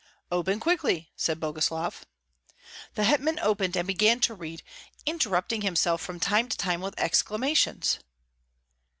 "Open quickly!" said Boguslav. The hetman opened and began to read, interrupting himself from time to time with exclamations.